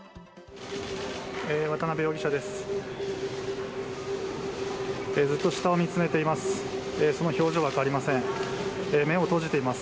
渡邉容疑者です。